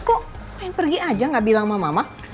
kok pengen pergi aja gak bilang sama mama